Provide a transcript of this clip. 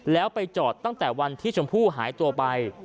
แล้วไปจอดตั้งแต่วันที่ชมพู่หายตัวไป